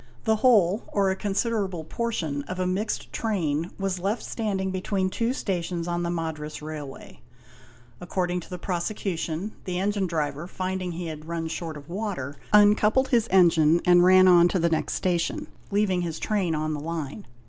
The whole, or a considerable portion, of a mixed train was left stand ing between two stations on the Madras Railway: According to the prosecution, the engine driver, finding he had run short of water, uncoupled his engine and ran on to the next station, leaving his train on the line.